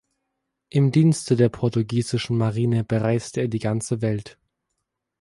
Im Dienste der portugiesischen Marine bereiste er die ganze Welt.